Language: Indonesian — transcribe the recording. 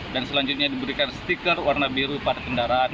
dan selanjutnya diberikan stiker warna biru pada kendaraan